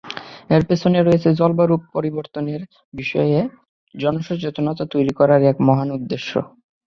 এর পেছনে রয়েছে জলবায়ু পরিবর্তনের বিষয়ে জনসচেতনতা তৈরি করার এক মহান উদ্দেশ্য।